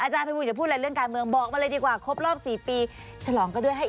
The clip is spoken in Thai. อาจารย์อยากพูดอะไรก็ได้